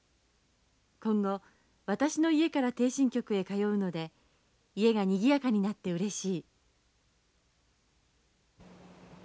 今後私の家からていしん局へ通うので家がにぎやかになってうれしい」。